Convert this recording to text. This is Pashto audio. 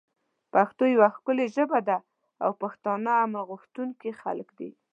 پښتو یوه ښکلی ژبه ده او پښتانه امن غوښتونکی خلک دی